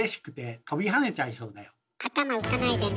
頭打たないでね。